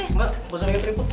enggak nggak usah makeup tripod